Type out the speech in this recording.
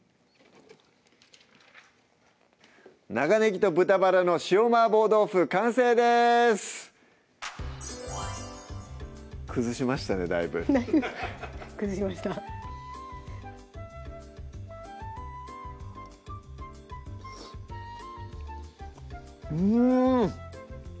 「長ネギと豚バラの塩麻婆豆腐」完成です崩しましたねだいぶ崩しましたうん！